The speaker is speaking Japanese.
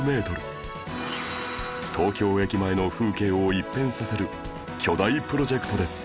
東京駅前の風景を一変させる巨大プロジェクトです